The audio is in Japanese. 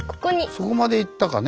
そこまで行ったかね。